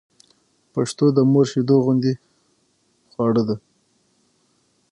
پښتو د مور شېدو غوندې خواړه ده